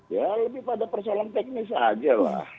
ya lebih pada persoalan teknis saja lah